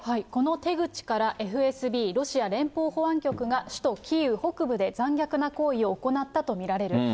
この手口から、ＦＳＢ・ロシア連邦保安局が、首都キーウ北部で残虐な行為を行ったと見られる。